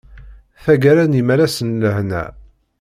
Tagara n imalas n lehna!